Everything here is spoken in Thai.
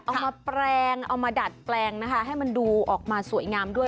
เอามาแปลงเอามาดัดแปลงนะคะให้มันดูออกมาสวยงามด้วย